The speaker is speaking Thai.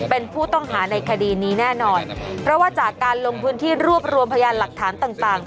เป็นผู้ต้องหาในคดีนี้แน่นอนเพราะว่าจากการลงพื้นที่รวบรวมพยานหลักฐานต่างต่าง